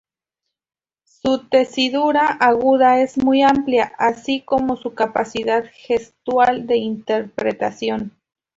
Su tesitura aguda es muy amplia, así como su capacidad gestual de interpretación.